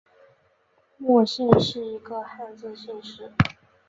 莫姓是一个汉字姓氏。